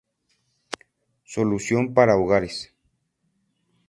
Solución para hogares.